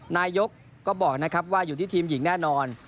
นายกก็บอกนะครับว่าอยู่ที่ทีมหญิงแน่นอน